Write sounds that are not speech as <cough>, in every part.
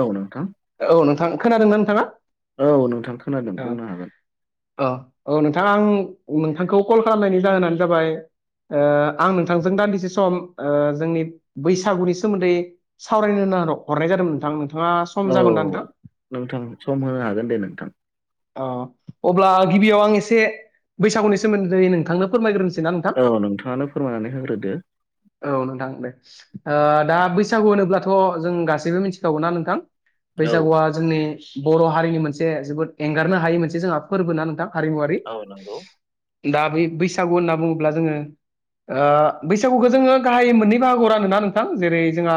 औ नोंथां औ नोंथां खोनादोंना नोंथाङा औ नोंथां खोनादों औ बुंनो हागोन औ औ नों थां आं नोंथांखौ कल खालामनायनि जाहोनानो जाबाय ओ आं नोंथांजों दान्दिसे सम ओ जोंनि बैसागुनि सोमोन्दै सावरायनो खोनाद हरनाय जादोंमोन नोंथां नोंथाङा सम औ जागोन ना नोंथां नोंथां सम होनो हागोन दे नोंथां अ अब्ला गिबियाव आं एसे बैसागुनि सोमोन्दैै नोंथांनो फोरमायग्रोनो सैना नोंथां औ नोंथाङानो फोरमायनानै होग्रोदो औ नोंथां दे ओ दा बैसागु होनोब्लाथ जों गासैबो मिथिखागौना नोंथां औ बैसागुआ जोंनि बर हारिनि मोनसे जोबोद एंगारनो हायि मोनसे जोंहा फोरबो ना नोंथां। हारिमुवारि औ नोंगौ। दा बे बैसागु होनना बुङोब्ला जोङो ओ बैसागुखौ जोङो गाहायै मोननै बाहागो रानोना नोंथां जेरै जोंहा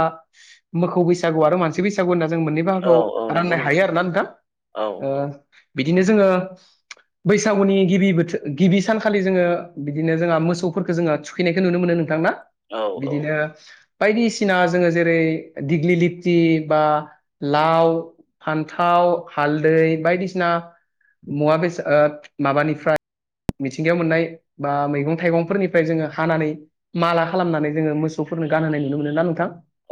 मोखौ बैसा गु आरो मानसि बैसागु होनना जों मोननै औ औ बाहागोआव नंगौ राननो हायो नोंथां आरो ना औ नोंथां। बिदिनो जोङो बैसागुनि गिबि बोथो गिबि सानखालि जोङो बिदिनो जोंहा मोसौफोरखौ जोङो थुखैनायखौ नुनो मोनो नोंथां नि औ औ बिदिनो बायदिसिना जोङो जेरै दिग्लि लिथि बा लाव फान्थाव हालदै बायदिसिना मुवा ओ बेसाद माबानिफ्राय मिथिंगायाव मोननाय बा मैगं थाइगंफोरनिफ्राय जोङो हानानै माला खालामनानै जोङो मोसौ फोरनो गानहोनाय नुनो मोनोना नोंथां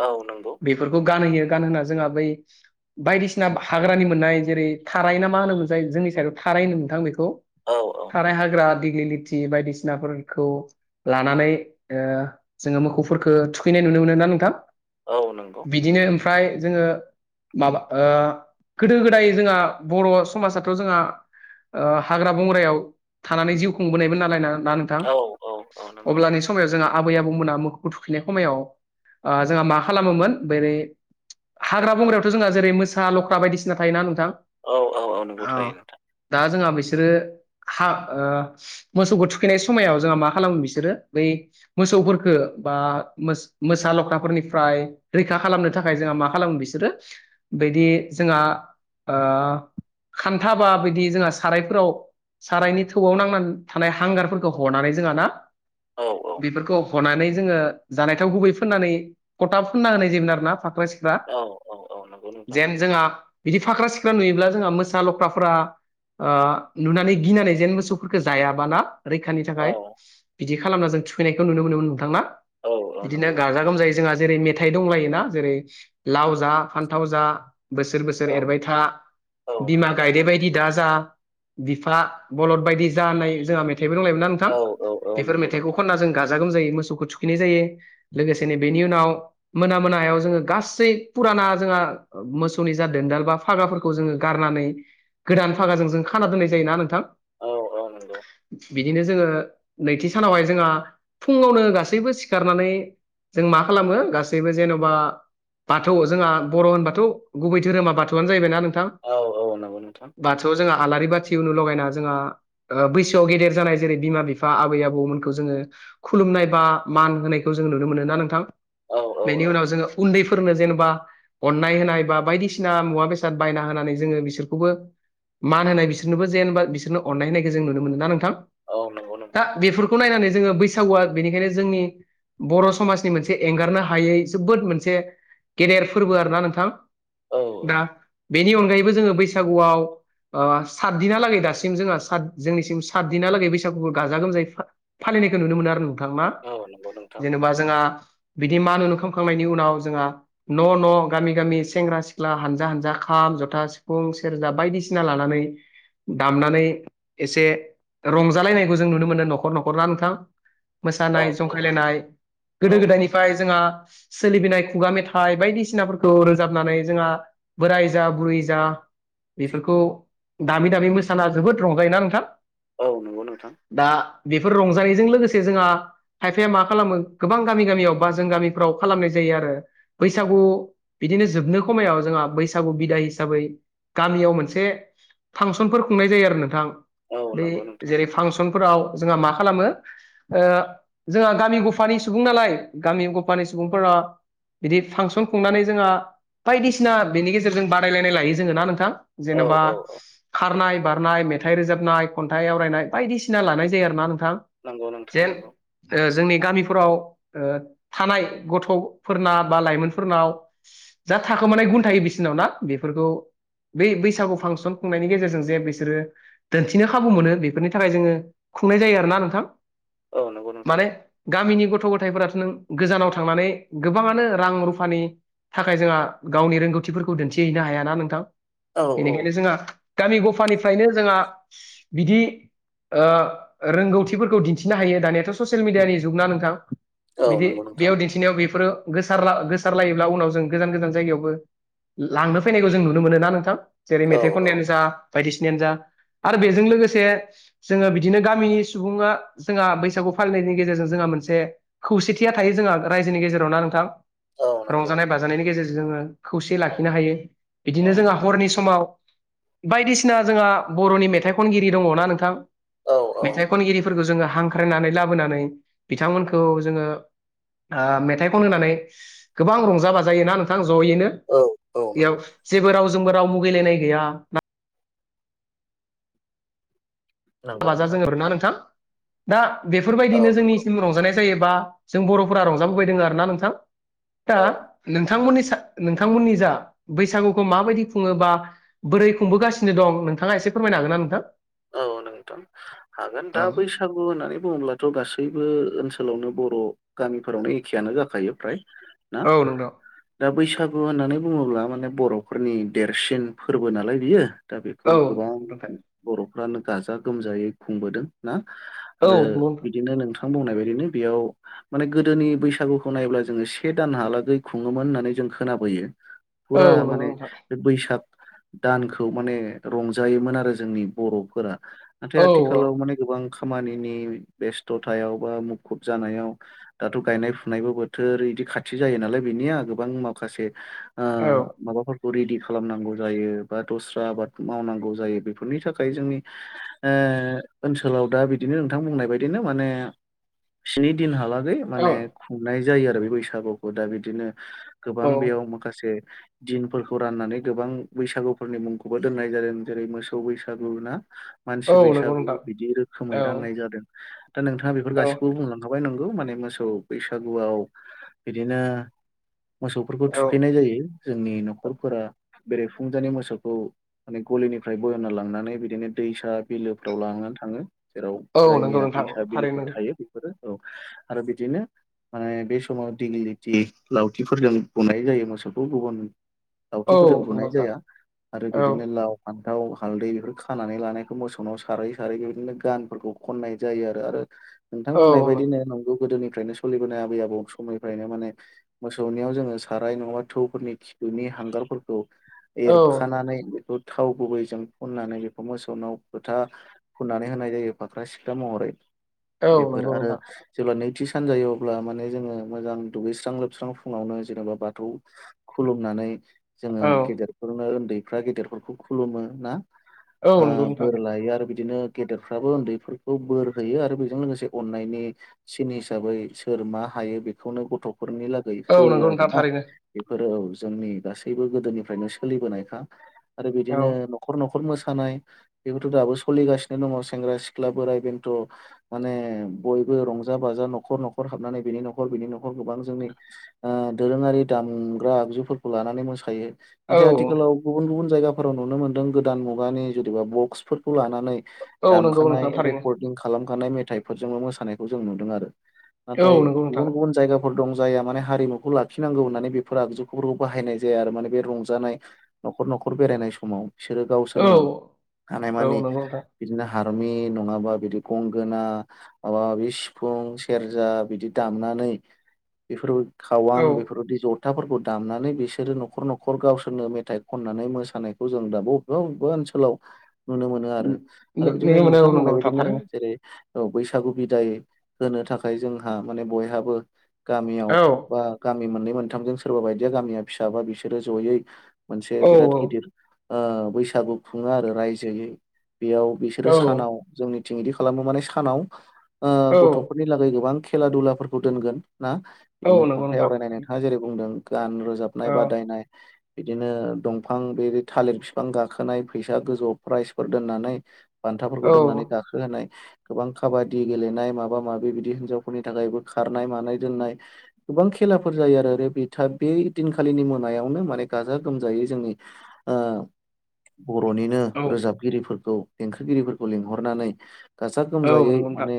औ नंगौ बेफोरखौ गानहोयो गानहोना जोंहा बै बायदिसिना हाग्रानि मोननाय जेरै थारायना मा होनोम मोनसाय जोंनि साइडआव थाराय होनो मोनथां बेखौ औ औ। थाराय हाग्रा दिग्लि लिथि बायदिसिनाफोरखौ लानानै ओ जोंङो मोखौ खो थुखैनाय नुनो मोनो ना नोंथां? औ नंगौ। फ्राय जोङो माबा ओ गोदो गोदाय जोंहा बर' समाजाथ' जोंहा ओ हाग्रा बंग्रायाव थानानै जिउ खुंबोनायबो नालायनानै ना नोंथां? औ औ औ नंगौ अब्लानि समाव जोंहा आबै आबौमोनहा मोखौखौ थुखैनाय समायाव ओ जोंहा मा खालामोमोन बोरै हाग्रा बंग्रायावथ' जोंहा जेरै मोसा लख्रा बायदिसिना थायोना नोंथां? औ औ औ नोंगौ थायो नोंथां। दा जोंहा बिसोरो हा ओ मोसौखौ थुखैनाय समायाव जोंहा मा खालामो बिसोरो बै मोसौफोरखो बा मोसा लख्राफोरनिफ्राय रैखा खालामनो थाखाय जोंहा मा खालामो बिसोरो बिदि जोंहा ओ खान्था बा बियदि जोंहा सारायफोराव सारायनि थौआव नांनानै थानाय हांगारफोरखौ हरनानै जोंहा ना औ औ बेफोरखौ हनानै जोङो जानायाव गुबै फोननानै फथाब फोनना होनाय जायोमो आरोना। ख्रा सिख्ला औ औ औ नंगौ नोंथां जेन जोंहा बिदि फाख्रा सिख्ला नुयोब्ला जोंहा मोसा लख्राफोरा ओ नुनानै गिनानै जेन मोसौफोरखौ जायाबाना रैखानि औ थाखाय बिदि खालामना जों थुखैनायखौ नुनो मोनोमोन नोंथां ना? औ औ नंगौ। जोंहा जेरै मेथाइ दंलायोना जेरै लाव जा फान्थाव जा बोसोर बोसोर औ एरबाय था औ बिमा नंगौ गायदे नोंथां बायदि दा जा बिफा बलद बायदि जानाय जोंहा मेथाइबो दंलायोमोना नोंथां। औ औ औ बेफोर नंगौ मेथाइखौ नोंथां खनना जों गाजा गोमजायो मोसौखौ थुखिनाय जायो। लोगोसेनो बेनि उनाव मोना मोनायाव जोङो गासै फुराना जोङो ना मोसौनि जा दोनदाल बा फागाफोरखौ जोङो गारनानै गोदान भागाजों जों खाना दोननाय जायोना नोंथां। औ औ नंगौ। बिदिनो जोङो नैथि सानावहाय जोंहा फुङावनो गासैबो सिखारनानै जों मा खालामो गासैबो जेन'बा बाथौ जोंहा बर' होनबाथ' गुबै धोरोमा बाथौआनो जाहैबायना ना नों औ औ नंगौ नोथां। आलारि बाथि उनाव लगायना जोंहा ओ बैसोआव गेदेर जानाय जेरै बिमा बिफा आबै आबौमोन जोङो खुलुमनाय बा मान होनायखौ जों नुनो मोनो ना नोंथां? औ औ बेनि औ उनाव जोङो उन्दै फोरनो जेनेबा अननाय होनाय बा बायदिसिना मुवा बेसाद बायना होनानै जोङो बिसोरखौबो मान होनाय बिसोरनोबो जेनबा बि अननायनायखौ जों नुनो मोनोना नोंथां औ नंगौ दा नोंथां बेफोरखौ नायनानै जोङो बैसागुआ बेनिखायनो जोंनि बर' समाजनि मोनसे एंगारनो हायै जोबोद मोनसे गेदेर फोरबो आरोना नोंथां। औ दा औ बेनि अनगायैबो जोङो बैसागुआव ओ सात दिना लागै दासिम जोंहा जोंनिसिम साद दिन हालागै बैसागुखौ गाजा गोमायै फालिनायखौ नुनो मोनो आरो नों नोंथां मा औ नंगौ नोंथां जेनेबा जोंहा बिदि मान अनुखालाम खांनायनि उनाव जोंहा न' न' गामि गामि सेंग्रा सिख्ला हानजा हानजा खा खाम जथा सिफुं सेरजा बायदिसिना लानानै दामनानै एसे रंजालायनायखौ जों नुनो मोनो न'खर न'खर न ख'र ना नोंथां। औ मोसानाय औ जंखायलायनाय औ गोदो गोदायनिफ्राय जोंहा सोलिबनाय खुगा मेथाइ बायदिसिनाफोरखौ रोजाबनानै जोंहा बोराय जा बुरै जा बेफोरखौ दामि दामि मोसाना जोबोद रंजायोना नोंथां। औ नंगौ नोंथां। दा बेफोर रंजानायजों लोगोसे जोंहा खायफाया मा खालामो गोबां गामि गामियाव बा जों गामिफोराव खालामनाय जायो। आरो बैसागु बिदिनो जोबनो खमायाव जोंहा बैसागु बिदा हिसाबै गामियाव मोनसे फांसनफोर खुंनाय जायो आरो नोंथां औ बे नंगौ नोंथां जेरै फांसन फोराव जोंहा मा खालामो जोंहा गामि गफानि सुबुं नालाय गामि गफानि सुबुं बुं फोरा बिदि फांसन खुंनानै जोंहा बायदिसिना बेनि गेजेरजों बादायलायनाय लायो जोंङो ना नोंथां। औ जेनेबा औ औ खारनाय बारनाय मेथाइ रोजाबनाय खन्थाइ आवरायनाय बायदिसिना लानाय जायो आरोना नों। थां नंगौ नोंथां जेन नंगौ जोंनि गामिफोराव ओ थानाय गथ'फोरना बा लाइमोनफोरनाव थाखो मानाय गुन थायो बिसिनाव ना बेफोरखौ बै बैसागु फांसन खुंनायनि गेजेरजों जे बि बिसोरो दिनथिनो खाबु मोनो बेफोरनि थाखाय जोङो खुंनाय जायो आरोना नोंथां। औ नंगौ नोंथां। माने गामिनि गथ' गथायफोराथ' नों गोजानाव थांनानै गोबाङानो रां रुफानि थाखाय जोंहा गावनि रोंगौथिफोरखौ दिन्थिहैनो हायााना नोंथां। औ औ बेनिखायनो जोंहा गामि गफानिफ्रायनो जोंहा बिदि ओ रोंगौथिफोरखौ दिन्थिनो हायो दानियाथ' ससियेल मिडियानि जुगना नोंथां। औ बिदि नंगौ नोंथां बेयाव दिन्थिनायाव बेफोरो गोसारलायोब्ला उनाव जों गोजान गोजान जायगायावबो लांनो फैनायखौ जों नुनो मोनो ना नोंथां। जेरै औ मेथाइ औ खननायानो जा बायदिसिनायानो जा। आरो बेजों लोगोसे जोंङो बिदिनो गामिनि सुबुङा जोंहा बैसागु फालिनायनि गेजेरजों जोंहा मोनसे खौसेथिया थायो जोंहा रायजोनि गेजेराव ना नोंथां। औ नंगौ रंजानाय बाजानायनि गेजेरजों जोंङो खौसेै औ लाखिनो हायो औ बिदिनो जोंहा हरनि समाव। बायदिसिना जोंहा बर'नि मेथाइ खनगिरि दङना नोंथां औ मेथाइ खनगिरिफोरखौ जोङो हांख्रायनानै लाबोनानै बिथांमोनखौ जोंङो मेथाइखौन होननानै गोबां रंजा बाजायोना नोंथां। जयैनो औ औ बेयाव नंगौ जेबो रावजोंबो राव मुगैलायनाय गैया। रंजा नंगौ बाजा नोंथां जोंङो ना नोंथां दा औ बेफोरबायदिनो नंगौ जोंनिसिम रंजानाय जायोबा जों बर'फोरा रंजाबोबायदों आरोना नोंथां। दा औ नोंथांमोननि नोंथांमोननि जा बैसागुखौ माबायदि खुङोबा बोरै खुंबोगासिनो दं नोंथाङा एसे फोरमायनो हागोन ना नोंथां? औ नोंथ' हागोन औ दा बैसागु होननानै बुङोब्लाथ' गासैबो ओनोल ओनसोलावनो बर' गामिफोरावनो एखेआनो जाखायो फ्राय ना औ नोंथां दा बैसाग बैसागु होननानै बुङोब्ला माने बर'फोरनि देरसिन फोरबो नालाय बियो दा बेखौ औ गोबां नोंथां बर'फ्रानो गाजा गोमजायै खुंबोदों ना। औ आरो नंगौ नोंथां बिदिनो नोंथां बुंनाय बायदिनो बेयाव माने गोदोनि बैसागुखौ नायब्ला जोंङो से दानहालागै खुङोमोन होननानै जों खोना बोयो। औ फुरा नंगौ माने नोंथां बे बैसाग दानखौ माने रंजायोमोन आरो जोंनि बर'फोरा नाथाय औ आथिखालाव माने गोबां खामानिनि बेस्थ'थायाव बा मुखुब जानायाव दाथ' गायनाय फुनायबो बोथोर। बिदि खाथि जायो नालाय बिनिया गोबां माखासे ओ औ माबा फोर खौ रेडि खालामनांगौ जायो। बा दस्रा आबाद मावनांगौ जायो। बेफोरनि थाख खाय जोंनि ओ ओनसोलाव दा बिदिनो नोंथां बुंनाय बायदिनो माने स्नि दिन हालाग बे औ माने खुंनाय जायो आरो। बे बैसागुखौ दा बिदिनो औ गोबां बेयाव माखासे दिनफोरखौ राननानै गोबां बैसागुफोरनि मुंखौबो दोननाय जादों। जेरै मोसौ बैस सागु ना, मानसि औ नंगौ बैसागु नोंथां बिदि औ रोखोमै राननाय जादों। दा नोंथाङा बेफोर औ गासिखौबो बुंलां <unintelligible> अ' आय नंगौ माने मोसौ बैसागुआव बिदिनो मोसौफोरखौ औ थुखैनाय जायो। जोंनि न'खरफोरा बेरेफुंजानि मोसौखौ माने गलिनिफ्राय बोना लांना नै बिदिनो दैसा बिलोफ्राव लानानै थाङो। जेराव औ नंगौ जायनिया नोंथां दैसा बिलोफोर थारैनो नंगौ। थायो। बेफोरो औ आरो बिदिनो माने बे समाव दिगलिथि लावथिफोरजों बुनाय जायो मोसौखौ। गुबुन औ लावथिफोरजों बुनाय नंगौ नोंथां जाया। आरो औ बिदिनो लाव, फान्थाव, हालदै बेफोर खानानै लानायखौ मोसौनाव सारै सारै बिदिनो गानफोरखौ खननाय जायो आरो। आरो नोंथां बुंनाय बायदिनो नंगौ गोदोनि फ्रायनो स'लिबोनाय आबै आबौ समनिफ्रायनो माने मोसौनियाव जोंङो साराय नङाबा थौनिफोरनि खिबुनि हांगारफोरखौ औ एरखानानै बेखौ थाव गुबैजों फुनानै हमो। ओ मोसौनाव फोथा फुननानै होनाय जायो फाख्रा सिख्रा‌ महरै। औ बेफोर नंगौ आरो नोंथां जेब्ला नैथि सानजायो अब्ला माने जोङो मोजां दुगैस्रां लोबस्रां फुङावनो जेनेबा बाथौ खुलुमनानै। जोङो औ गेदेरफोरनो उन्दैफ्रा गेदेरफोरखौ खुलुमो ना? औ आ नंगौ नोंथां बोर लायो आरो बि दिनो गेदेरफ्राबो उन्दैफोरखौ बोर होयो। आरो बेजों लोगोसे अननायनि सिन हिसाबै सोर सोर मा हायो बेखौनो गथ'फोरनि लागै औ होयो नंगौ नोंथां आरोना। थारैनो बेफोरो औ जोंनि गासैबो गोदोनिफ्रायनो सोलिबोनायखा आरो औ बिदिनो न'खर न'खर मोसानाय। बेखौथ' दाबो सोलिगासिनो दङ। सेंग्रा सिख्ला बोराय बेन्थ' माने बयबो रंज रंजा बाजा न'खर न'खर हाबनानै बिनि न'खर बिनि न'खर गोबां जोंनि ओ दोरोङारि दामग्रा दामजुफोरखौ लानानै मोसायो। औ नाथाय आथिखालाव गुबुन गुबुन जायगाफोराव नुनो मोन्दों। गोदान मुगानि जुदिबा बक्सफोरखौ लाना नै औ नंगौ दामखानाय नोंथां थारैनो रेकर्डदिं खालामखानाय मेथाइफोरजोंबो मोसानायखौ जों नुदों आरो। औ नाथाय नंगौ नोंथां गुबुन गुबुन जायगाफोर दं। जायहा माने हारिमुखौ लाखिनांगौ होननानै बेफोर आगजुफोरखौ बाहायनाय जाया आरो। माने बे रंजानाय न'खर न' खर बेरायनाय समाव बिसोरो औ गावसोरनो औ हानायमानि नंगौ नोंथां बिदिनो हारमि नङाबा बिदि गंगोना माबा माबि सिफुं, सेरजा बिदि दामना नै बेफोरबो खावां औ बेफोरबायदि ज' थाफोरखौ दामनानै बिसोरो न'खर न'खर गावसोरनो मेथाइ खननानै मोसानायखौ जों दा बबेबा बबेबा ओनस सोलाव नुनो मोनो आरो। आरो बिदिनो नुनो मोनो नोंथां औ नंगौ बुंनाय बायदिनो थारैनो जेरै औ बैसागु बिदाय होनो थाखाय जोंहा माने बयहाबो गामियाव औ बा गामि मोननै मोनथामजों सोरबा बायदिया गामिया फिसाबा बिसोरो जयै मोनसे औ बिराद गिदिर ओ बैसागु खुङो आरो रायजोयै। बेयाव औ बिसोरो सानाव जोंनिथिं ईदि खालामो। माने सानाव औ गथ'फोरनि लागै गोबां खेला दुलाफोरखौ दोनगोन ना। औ बिदिनो नंगौ खन्थाइ नोंथां आवरायनाय नोंथाङा जेरै बुंदों। गान रोजाबनाय औ बादायनाय बिदिनो दंफां बे थालिर बिफां गाखोनाय। फैसा गोजौ प्राइजफोर दोननानै औ बान्थाफोरखौ दोननानै गाखोहोनाय। गोबां खाबादि गेलेनाय माबा माबि बिदि हिन्जावफोरनि थाखायबो खारनाय मानाय दोननाय गोबां खेलाफोर जायो आरो <unintelligible> बेै दिनखालिनि मोनायावनो माने गाजा गोमजायै जोंनि ओ <inaudible> बरनिनो औ रोजाबगिरिफोरखौ देंखोगिरिफोरखौ लिंहरनानै। गाजा औ गोमजायै नंगौ नोंथां माने।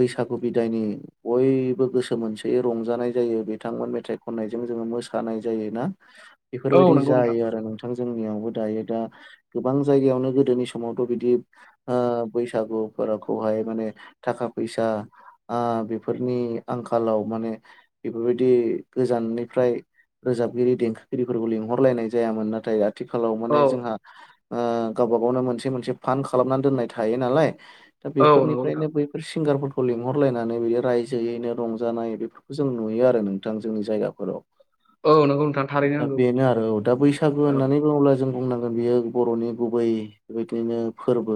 बैसागु बिदायनि बयबो गोसो मोनसेयै रंजानाय जायो बिथांमोन मेथाइ खननायजों जोङो। मोसानाय जायोना औ बेफोरबायदि नंगौ नोंथां जायो आरो नोंथां जोंनियावबो दायो दा गोबां जायगायावनो गोदोनि समावथ बिदि बैसागुफोरखौहाय माने थाखा फैसा ओ-बेफोरनि आंखालाव माने बेफोरबायदि गोजान निफ्राय रोजाबगिरि देंखोगिरिफोरखौ लिंहरलायनाय जायामोन नाथाय। आथिखालाव औ माने जोंहा ओ-गावबा गावनो मोनसे मोनसे फान्ड खालामनानै दोननाय थायो नालाय। दा औ नंगौ नोंथां बेफोरनिफ्रायनो बैफोर सिंगारफोर लिंहरलायनानै बिदि रायजोयैनो रंजानाय बेफोरखौ जों नुयो आरो नोंथां जोंनि जायगाफोराव। औ नंगौ नोंथां थारैनो दा नंगौ बेनो आरो औ दा बैसागु औ होननानै बुङोब्ला जों। बुंनांगोन बियो बरनि गुबै बेबायदिनो फोरबो।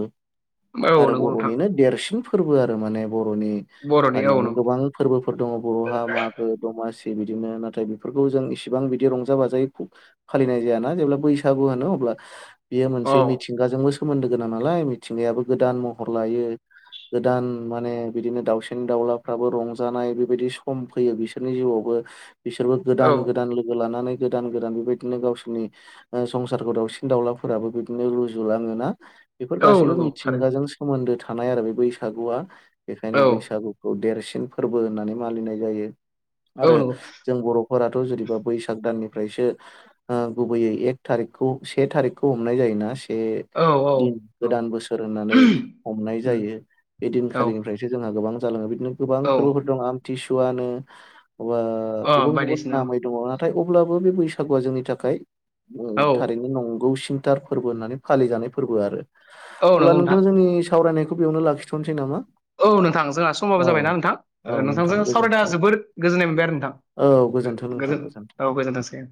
औ आरो नंगौ नोंथां बरनिनो देरसिन फोरबो आरो माने। बरनि बर'नि औ हारियावनो नंगौ गोबां फोरबोफोर दङ बरहा मागो दमासि बिदिनो नाथाय बेफोरखौ जों इसिबां बिदि रंजा बाजायै फालिनाय जायाना जेब्ला बैसागु होनो अब्ला बेयो औ मोनसे मिथिंगाजोंबो सोमोन्दो गोनां नालाय मिथिंगायाबो गोदान महर लायो। गोदान माने बिदिनो दाउसेनि दाउलाफ्राबो रंजानाय बेबायदि सम फैयो बिसोरनि जिउवावबो। बिसोरबो औ गोदान गोदान लोगो लानानै गोदान गोदान बेबायदिनो गावसोरनि ओ संसारखौ दावसि दाउलाफोराबो बिदिनो रुजुलाङोना बेफोर औ गासैबो नंगौ थारैनो मिथिंगाजों सोमोन्दो। थानाय आरो बे बैसागुवा बेखायनो औ बैसागुखौ देरसिन फोरबो होननानै मानिनाय जायो। औ आरो नंगौ जों बरफोराथ जुदिबा बैसाग दाननि। फ्रायसो ओ-गुबैयै एक थारिखौ से थारिखखौ हमनाय जायोना। से औ दिन औ गोदान बोसोर होननानै हमनाय उम जायो बे औ दिनखालिनिफ्रायसो जोंहा गोबां। जाङो बिदिनो गोबां औ फोरबोफोर दं आमथिसुवानो बा अ गुबुन गुबुन बायदिसिना नामै दङ नाथाय अब्लाबो बे बैसागुवा जोंनि थाखाय। औ नोंगौसिनथार फोरबो होननानै फालि जानाय फोरबो आरो औ नंगौ अब्ला नोंथां जोंनि। सावरायनायखौ बेयावनो लाखिथनोसै नामा। औ नोंथां जोंहा समाबो औ जाबायना औ नोंथां नोंथां नोंथांजों सावरायना गोजोन्थों जबोर गोजोननाय मोनबाय आरो औ गोजोन्थों नोंथां। नोंथां गोजोन गोजोन्थों। औ गोजोनथोंसै।